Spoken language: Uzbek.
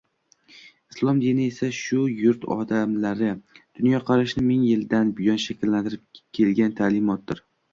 Islom dini esa shu yurt odamlari dunyoqarashini ming yildan buyon shakllantirib kelgan ta’limotdir.